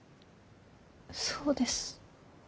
そうです。